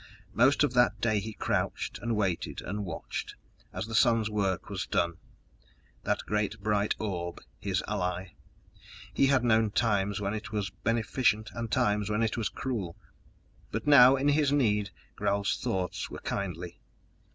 Most of that day he crouched and waited and watched, as the sun's work was done; that great bright orb, his ally; he had known times when it was beneficent and times when it was cruel, but now in his need Gral's thoughts were kindly.